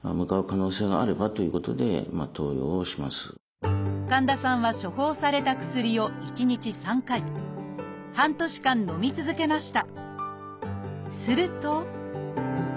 でも神田さんは処方された薬を１日３回半年間のみ続けました。